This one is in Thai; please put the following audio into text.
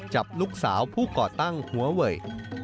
จับลูกสาวผู้ก่อตั้งหัวเวย